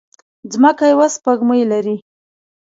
ځمکه يوه سپوږمۍ لري